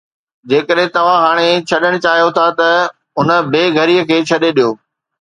جيڪڏھن توھان ھاڻي ڇڏڻ چاھيو ٿا ته ھن بي گھريءَ کي ڇڏي ڏيو